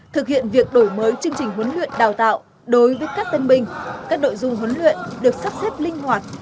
thực hiện việc đổi mới chương trình huấn luyện đào tạo đối với các tân binh các nội dung huấn luyện được sắp xếp linh hoạt